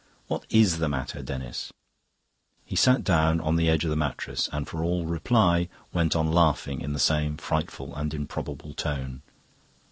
"What IS the matter, Denis?" He sat down on the edge of the mattress, and for all reply went on laughing in the same frightful and improbable tone.